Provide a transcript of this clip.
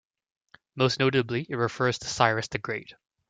Most notably it refers to Cyrus the Great.